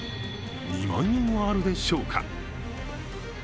２万円はあるでしょうか。